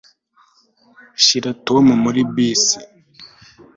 Shira Tom muri bisi